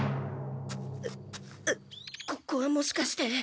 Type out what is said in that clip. ここはもしかして。